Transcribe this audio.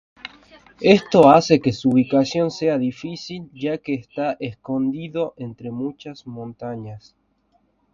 Esto hace que su ubicación sea difícil ya que está escondido entre muchas montañas.